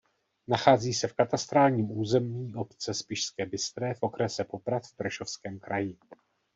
Nachází se v katastrálním území obce Spišské Bystré v okrese Poprad v Prešovském kraji.